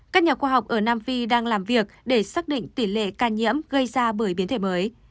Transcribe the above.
các nhà khoa học ở nam phi đang làm việc để xác định tỷ lệ ca nhiễm gây ra bởi biến thể mới